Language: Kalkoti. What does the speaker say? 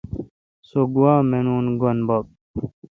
سو گوا مینون۔ گینب بب۔